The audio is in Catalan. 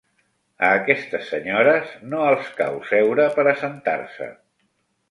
A aquestes senyores no els cau seure per assentar-se.